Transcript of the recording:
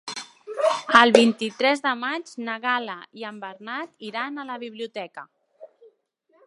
El vint-i-tres de maig na Gal·la i en Bernat iran a la biblioteca.